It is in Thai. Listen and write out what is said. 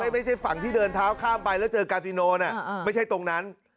ไม่ใช่ฝั่งที่เดินเท้าข้ามไปแล้วเจอกาซิโนไม่ใช่ตรงนั้น